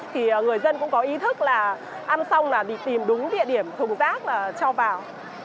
thì người dân cũng có ý thức là ăn xong là đi tìm đúng địa điểm thùng rác cho vào